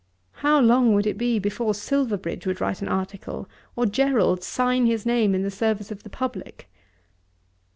How long would it be before Silverbridge would write an article, or Gerald sign his name in the service of the public?